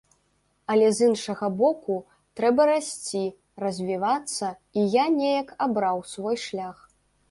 Але з іншага боку, трэба расці, развівацца, і я неяк абраў свой шлях.